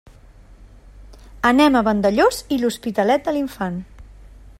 Anem a Vandellòs i l'Hospitalet de l'Infant.